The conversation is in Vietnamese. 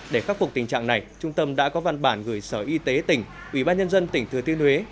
để khắc phục tình trạng này trung tâm đã có văn bản gửi sở y tế tỉnh ủy ban nhân dân tỉnh thừa thiên huế